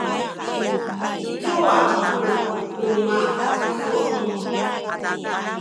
i cuwa ku luma’ isu?